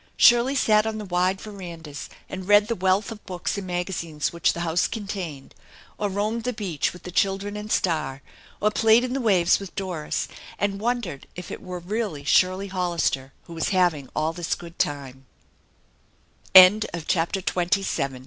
Shirley sat on the wide verandas and read the wealth of books and magazines which the house contained, or roamed the beach with the children and Star, or played in the waves with Doris, and wondered if it were really Shirley Hollister who was iiaving all this good time.